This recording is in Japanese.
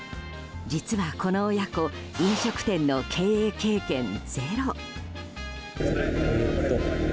実はこの親子飲食店の経営経験ゼロ。